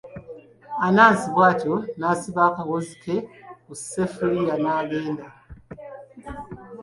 Anansi bw'atyo n'asiba akawuzi ke ku sseffuliya n'agenda.